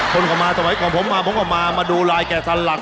คนก็มาขอผมมามาดูลายแก่สันหลัก